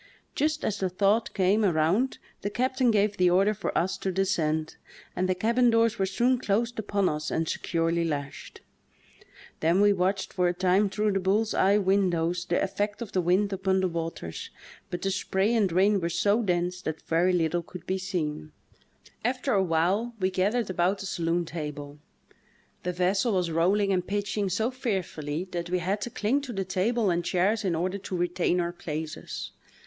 Just as the thought came around the captain gave the order for us to descend, and the cabin doors were soon closed upon us and securely lashed. Then we watched fora time through the bull's eye windows the effect of the wind upon the waters, but the spray and rain were so dense that very little could be vseen. CAUGHT IN A TYPHOON. 145 After a while we gathered about the saloon table ; the vessel was rolling and pitching so fearfully that we had to cling to the table and chairs in order to retain our places.